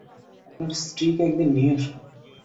আপনার স্ত্রীকে একদিন নিয়ে আসুন।